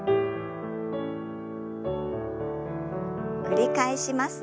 繰り返します。